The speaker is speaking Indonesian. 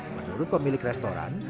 menurut pemilik restoran